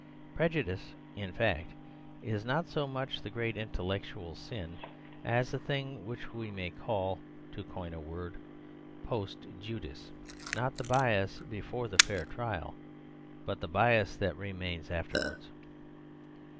Prejudice, in fact, is not so much the great intellectual sin as a thing which we may call, to coin a word, "postjudice," not the bias before the fair trial, but the bias that remains afterwards.